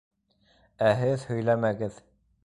Ә һеҙ һөйләмәгеҙ.